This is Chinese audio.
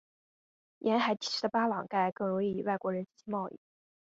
沿海地区的巴朗盖更容易与外国人进行贸易。